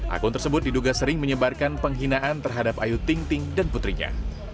akun tersebut diduga sering menyebarkan penghinaan terhadap ayu ting ting dan putrinya